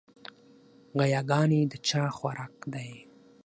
ګياګانې د چا خوراک دے؟